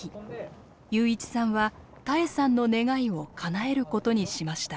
祐一さんは多恵さんの願いをかなえることにしました。